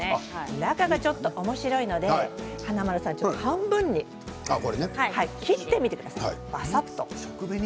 中がちょっとおもしろいので華丸さん半分に切ってみてください。